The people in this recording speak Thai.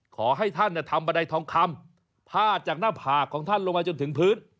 ขอให้ท่านทำบันไดทองคำพาดจากหน้าผากของท่านลงมาจนถึงพื้น